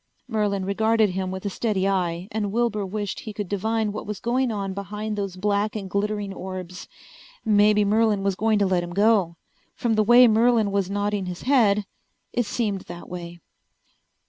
Merlin regarded him with a steady eye and Wilbur wished he could divine what was going on behind those black and glittering orbs. Maybe Merlin was going to let him go. From the way Merlin was nodding his head it seemed that way.